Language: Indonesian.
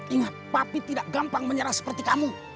ingat papi tidak gampang menyerah seperti kamu